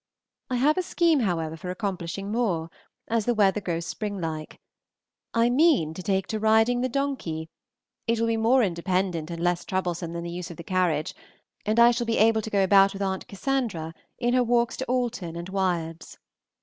I have a scheme, however, for accomplishing more, as the weather grows spring like. I mean to take to riding the donkey; it will be more independent and less troublesome than the use of the carriage, and I shall be able to go about with Aunt Cassandra in her walks to Alton and Wyards.